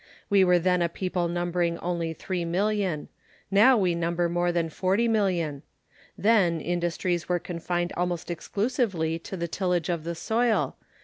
We were then a people numbering only 3,000,000. Now we number more than 40,000,000. Then industries were confined almost exclusively to the tillage of the soil.